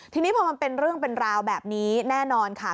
ทีนี้พอมันเป็นเรื่องเป็นราวแบบนี้แน่นอนค่ะ